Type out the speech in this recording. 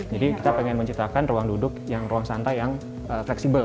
jadi kita pengen menciptakan ruang duduk yang ruang santai yang fleksibel